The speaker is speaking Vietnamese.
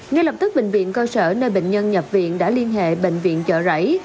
ngay lập tức bệnh viện cơ sở nơi bệnh nhân nhập viện đã liên hệ bệnh viện chợ rẫy